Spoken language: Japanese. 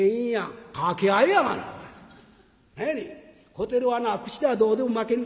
「小照はな口ではどうでも負ける。